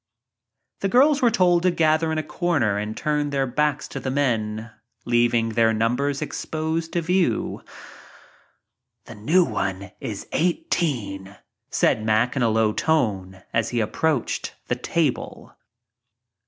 The girls were told to gather in a corner and turn their backs to the men leaving their nunv bers exposed to view . "The new one is 18," said Mack in a low tone as he approached the table.